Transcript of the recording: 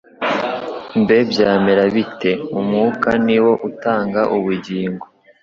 mbe byamera bite? Umwuka ni wo utanga ubugingo.